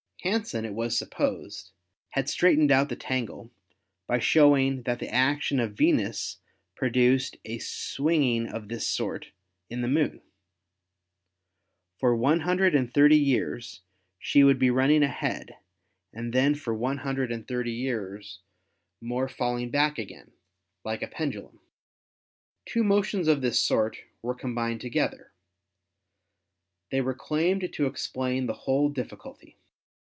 Hansen, it was supposed, had straightened out the tangle by showing that the action of Venus pro duced a swinging of this sort in the Moon; for one hun dred and thirty years she would be running ahead and then for one hundred and thirty years more falling back again, like a pendulum. Two motions of this sort were 170 ASTRONOMY combined together. They were claimed to explain the whole difficulty.